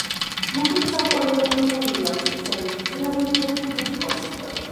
მუსიკის ავტორია ჯონ უილიამსი, სერიის წინა, ძირითადი ფილმების კომპოზიტორი.